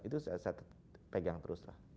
itu saya pegang terus lah